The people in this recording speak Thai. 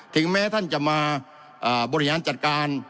แม้ท่านจะมาบริหารจัดการ